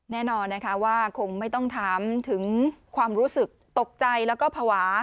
แน่นอนนะคะว่าคงไม่ต้องถามถึงความรู้สึกตกใจแล้วก็ภาวะ